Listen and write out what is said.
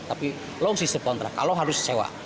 tapi longsist kontrak kalau harus sewa